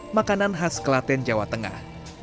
makanan khas kelaten jawa tengah